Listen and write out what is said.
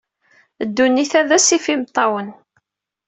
Ddunit-a d asif imeṭṭawen.